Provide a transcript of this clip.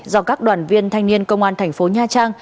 do các đoàn viên thanh niên công an thành phố nha trang